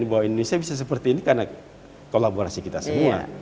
bahwa indonesia bisa seperti ini karena kolaborasi kita semua